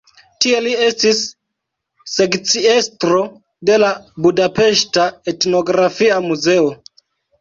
Tie li estis sekciestro de la budapeŝta Etnografia Muzeo.